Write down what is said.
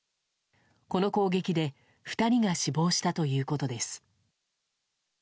この攻撃で２人が死亡したということです。